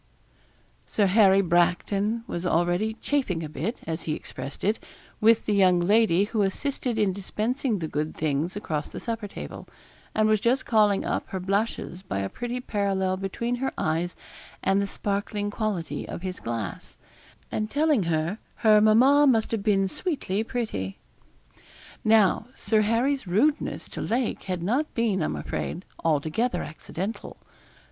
Sir Harry Bracton was already 'chaffing a bit,' as he expressed it, with the young lady who assisted in dispensing the good things across the supper table, and was just calling up her blushes by a pretty parallel between her eyes and the sparkling quality of his glass, and telling her her mamma must have been sweetly pretty. Now, Sir Harry's rudeness to Lake had not been, I am afraid, altogether accidental.